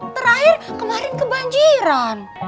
terakhir kemarin kebanjiran